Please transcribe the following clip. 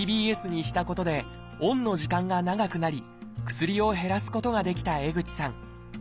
ＤＢＳにしたことでオンの時間が長くなり薬を減らすことができた江口さん。